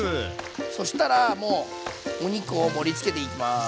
そしたらもうお肉を盛りつけていきます。